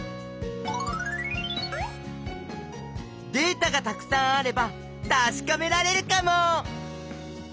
データがたくさんあればたしかめられるかも！